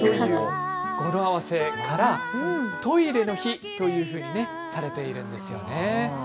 語呂合わせからトイレの日というふうにされています。